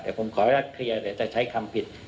แต่ผมขอว่าเคลียร์จะใช้คำผิด